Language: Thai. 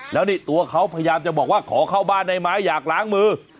แล้วนี่ตัวเขาพยายามจะบอกว่าขอเข้าบ้านได้ไหมอยากล้างมือ